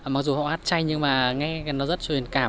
mặc dù họ hát chay nhưng mà nghe nó rất cho hình cảm